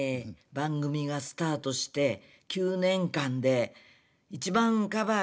「番組がスタートして９年間で」。